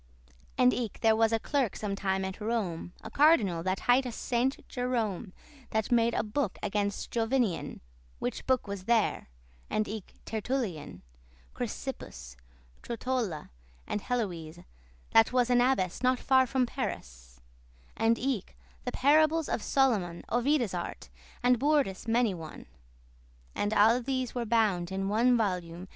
And eke there was a clerk sometime at Rome, A cardinal, that highte Saint Jerome, That made a book against Jovinian, Which book was there; and eke Tertullian, Chrysippus, Trotula, and Heloise, That was an abbess not far from Paris; And eke the Parables* of Solomon, *Proverbs Ovide's Art, <29> and bourdes* many one; *jests And alle these were bound in one volume.